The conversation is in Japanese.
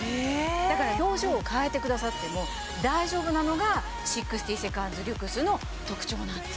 だから表情を変えてくださっても大丈夫なのが６０セカンズリュクスの特徴なんです。